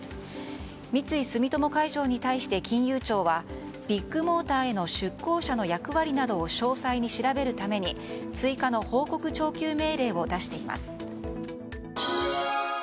三井住友海上に対して、金融庁はビッグモーターへの出向者の役割などを詳細に調べるために追加の報告徴求命令を出しています。